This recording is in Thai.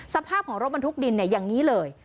สภาพของรถบรรทุกดินอย่างนี้เลย